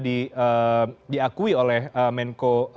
diakui oleh menko